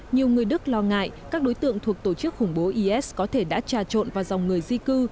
nhiều người đức lo ngại các đối tượng thuộc tổ chức khủng bố is có thể đã trà trộn vào dòng người di cư